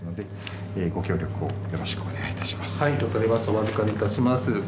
ご協力をよろしくお願いいたします。